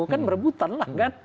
kan merebutan lah kan